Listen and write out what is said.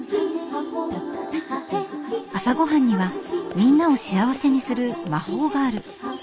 朝ごはんにはみんなを幸せにする魔法がある。